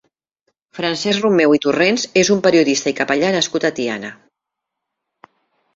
Francesc Romeu i Torrents és un periodista i capellà nascut a Tiana.